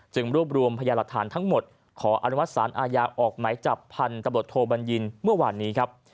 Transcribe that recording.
จึงรวบรวมพยายามหลักฐานทั้งหมดขออนุมัติสารอาญาออกหมายจับพันตรวจโทบัญญินเมื่อวานนี้